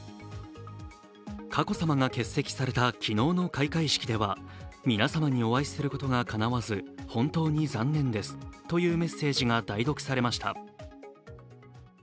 佳子さまが欠席された昨日の開会式では皆様にお会いすることがかなわず本当に残念ですというメッセージが代読されました。